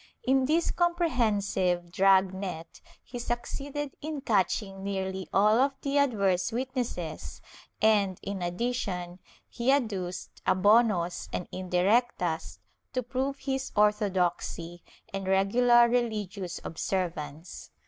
In this comprehensive drag net he succeeded in catching nearly all of the adverse witnesses and, in addition, he adduced abonos and indirectas to prove his orthodoxy and regular religious obser vance.